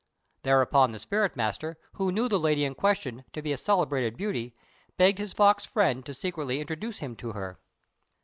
Thereupon the spirit merchant, who knew the lady in question to be a celebrated beauty, begged his fox friend to secretly introduce him to her.